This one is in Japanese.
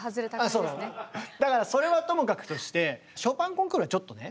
そうなのだからそれはともかくとしてショパン・コンクールはちょっとね。